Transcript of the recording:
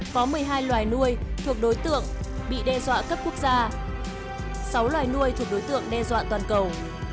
có một mươi hai loài nuôi thuộc đối tượng bị đe dọa cấp quốc gia sáu loài nuôi thuộc đối tượng đe dọa toàn cầu